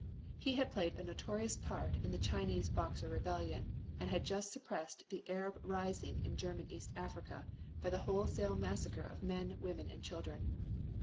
He had played a notorious part in the Chinese Boxer rebellion, and had just suppressed the Arab rising in German East Africa by the wholesale massacre of men, women, and children.